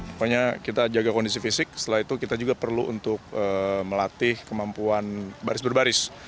pokoknya kita jaga kondisi fisik setelah itu kita juga perlu untuk melatih kemampuan baris baris